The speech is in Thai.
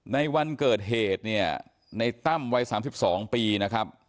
ในวันเกิดเหตุเนี่ยในตั้มวัย๓๒ปีนะครับ